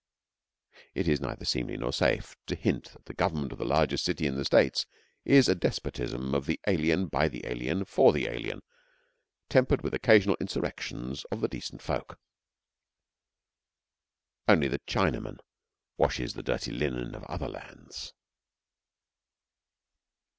It is neither seemly nor safe to hint that the government of the largest city in the States is a despotism of the alien by the alien for the alien, tempered with occasional insurrections of the decent folk. Only the Chinaman washes the dirty linen of other lands.